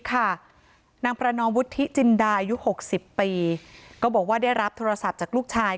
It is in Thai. นางประนอมวุฒิจินดาอายุ๖๐ปีก็บอกว่าได้รับโทรศัพท์จากลูกชาย